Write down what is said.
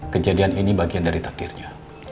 kejadian ini bagian dari takdirnya